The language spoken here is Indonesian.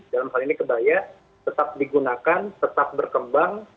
dalam hal ini kebaya tetap digunakan tetap berkembang